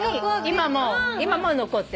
今も残ってる。